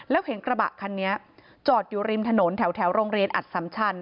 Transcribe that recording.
แล้วเห็นกระบะคันนี้จอดอยู่ริมถนนแถวโรงเรียนอัดสำชัน